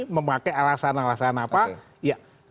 memakai alasan alasan apa